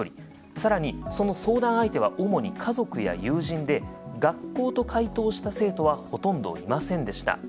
更にその相談相手は主に家族や友人で「学校」と回答した生徒はほとんどいませんでした。